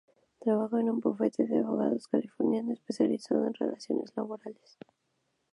Trabajó en un bufete de abogados californiano, especializado en relaciones laborales.